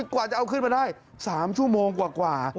กว่าจะเอาขึ้นมาได้๓ชั่วโมงกว่า